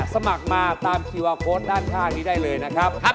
สมัครมาตามคิวาโค้ดด้านข้างนี้ได้เลยนะครับ